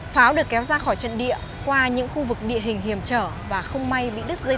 pháo được kéo ra khỏi trận địa qua những khu vực địa hình hiểm trở và không may bị đứt dây